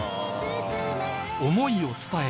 思いを伝え